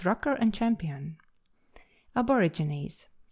Rucker and Champion. ABOEIGINES.